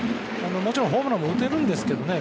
もちろんホームランも打てるんですけどね。